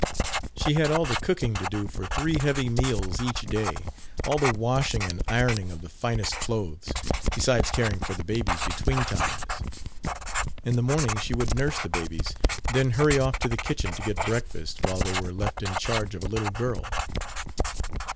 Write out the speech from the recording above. She had all the cooking to do for three heavy meals each day, all the washing and ironing of the finest clothes, besides caring for the babies between times. In the morning she would nurse the babies, then hurry off to the kitchen to get breakfast while they were left in charge of a little girl.